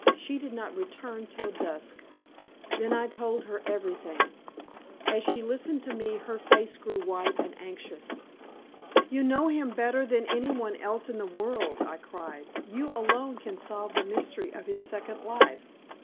She did not return till dusk. Then I told her everything. As she listened to me her face grew white and anxious. "You know him better than any one else in the world," I cried. "You alone can solve the mystery of his second life.